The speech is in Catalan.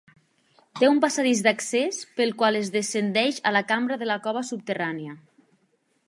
Té un passadís d'accés pel qual es descendeix a la cambra de la cova subterrània.